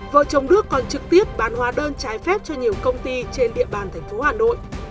vợ chồng đức còn trực tiếp bán hóa đơn trái phép cho nhiều công ty trên địa bàn thành phố hà nội